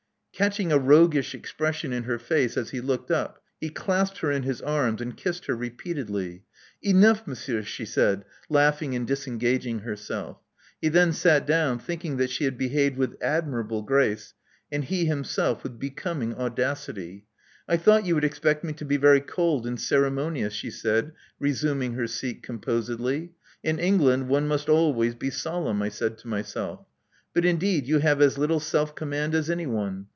Catching a roguish expression in her face as he looked up, he clasped her in his arms, and kissed her repeatedly. *' Enough, Monsieur," she said, laughing and dis engaging herself. He then sat down, thinking that^ Ishe had behaved with admirable grace, and he him ^/, self with becoming audacity. I thought you would ^^^.■ expect me to be very cold and ceremonious," she said, resuming her seat composedly. In England one must always be solemn, I said to myself. But indeed you have as little self command as anyone.